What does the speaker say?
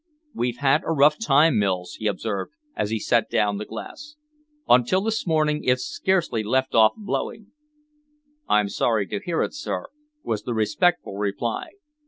"We've had a rough time, Mills," he observed, as he set down the glass. "Until this morning it scarcely left off blowing." "I'm sorry to hear it, sir," was the respectful reply.